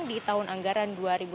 di tahun anggaran dua ribu sebelas